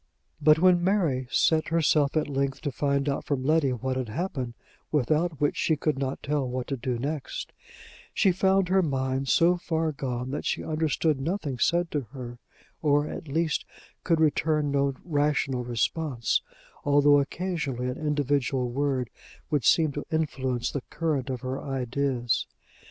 But, when Mary set herself at length to find out from Letty what had happened, without which she could not tell what to do next, she found her mind so far gone that she understood nothing said to her, or, at least, could return no rational response, although occasionally an individual word would seem to influence the current of her ideas.